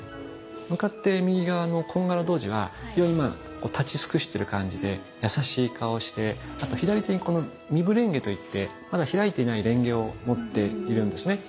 向かって右側の矜羯羅童子は非常にまあ立ち尽くしてる感じで優しい顔をしてあと左手に「未敷蓮華」といってまだ開いていない蓮華を持っているんですね。